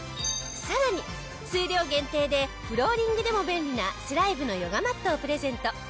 さらに数量限定でフローリングでも便利なスライヴのヨガマットをプレゼント。